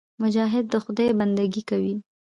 مجاهد د خدای بندګي کوي.